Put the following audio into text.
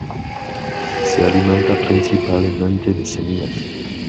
Se alimenta principalmente de semillas.